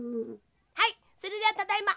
はいそれではただいま。